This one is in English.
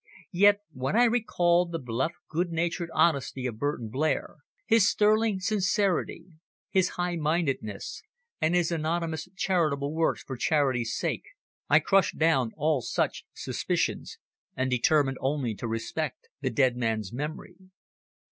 Yet when I recollected the bluff, good natured honesty of Burton Blair, his sterling sincerity, his high mindedness, and his anonymous charitable works for charity's sake, I crushed down all such suspicions, and determined only to respect the dead man's memory.